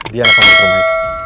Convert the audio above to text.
dia anak pembantu lo